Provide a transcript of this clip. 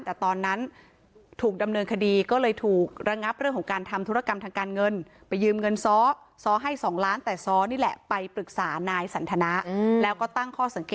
แต่ตอนนั้นถูกดำเนินคดีก็เลยถูกระงับเรื่องของการทำธุรกรรมทางการเงิน